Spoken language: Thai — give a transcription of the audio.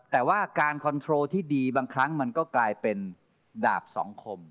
แต่ว่าการคอนโทรที่ดีบางครั้งมันก็กลายเป็นดาบสองคม